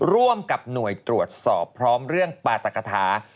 ร่วมกับหน่วยตรวจสอบพร้อมเรื่องปาตกฐา